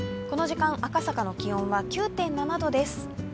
この時間、赤坂の気温は９．７度です。